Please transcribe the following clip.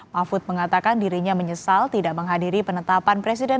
mahfud mengatakan dirinya menyesal tidak menghadiri penetapan presiden